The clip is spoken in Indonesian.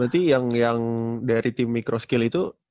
berarti yang dari tim microskill itu